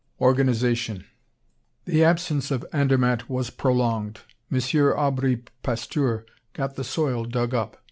Organization The absence of Andermatt was prolonged. M. Aubry Pasteur got the soil dug up.